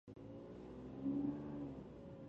ځینې یې پر بایسکل استانبول ته سفر وکړ.